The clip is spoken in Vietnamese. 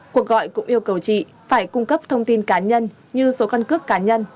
cuộc gọi cũng yêu cầu chị phải cung cấp thông tin cá nhân như số căn cước cá nhân